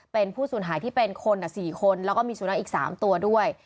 เป็นผู้สูญหายที่เป็นคน๔คนแล้วก็มีสุนัขอีก๓ตัวด้วย